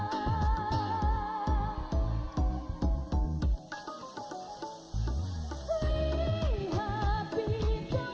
lihat bintang malam kemelang di langit terang